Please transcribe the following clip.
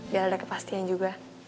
biar ada kepastian juga